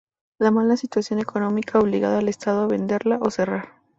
La mala situación económica obligaba al estado a venderla o cerrar.